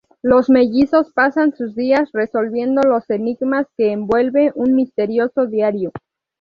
Los mellizos "pasan sus días resolviendo los enigmas que envuelve un misterioso diario.